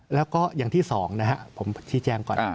แล้วก็อย่างที่สองนะครับผมชี้แจงก่อน